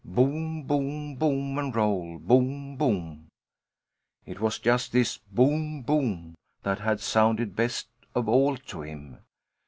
Boom, boom, boom, and roll. Boom, boom. It was just this "boom, boom" that had sounded best of all to him.